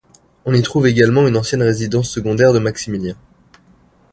On y trouve également une ancienne résidence secondaire de Maximilien.